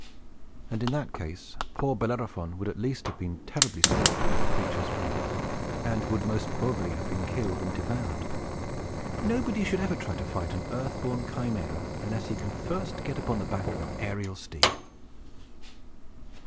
And in that case poor Bellerophon would at least have been terribly scorched by the creature's breath, and would most probably have been killed and devoured. Nobody should ever try to fight an earth born Chimæra, unless he can first get upon the back of an aerial steed.